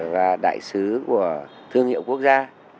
và đại sứ của thương hiệu quốc gia